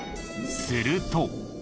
すると。